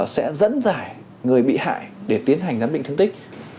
sẽ dẫn giải người bị hại để tiến hành giám định thương tích